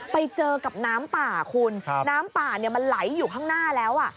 ไปเจอกับน้ำป่าคุณน้ำป่ามันไหลอยู่ข้างหน้าแล้ว